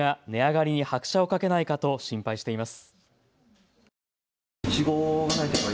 原油価格の高騰が値上がりに拍車をかけないかと心配しています。